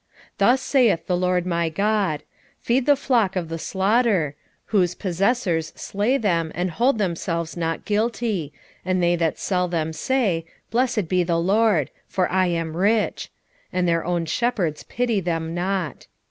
11:4 Thus saith the LORD my God; Feed the flock of the slaughter; 11:5 Whose possessors slay them, and hold themselves not guilty: and they that sell them say, Blessed be the LORD; for I am rich: and their own shepherds pity them not.